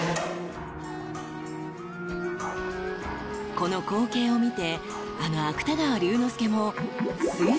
［この光景を見てあの芥川龍之介も］